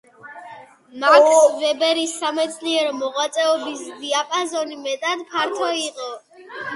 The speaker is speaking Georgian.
მაქს ვებერის სამეცნიერო მოღვაწეობის დიაპაზონი მეტად ფართო იყო.